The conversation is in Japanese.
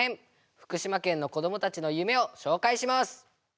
福島県の子供たちの夢を紹介します！